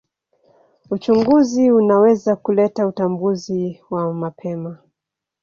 Uchunguzi unaweza kuleta utambuzi wa mapema.